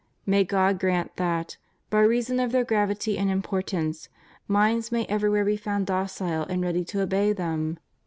May God grant that, by reason of their gravity and importance, minds may everywhere be found docile and ready to obey them!